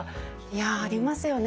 ありますよね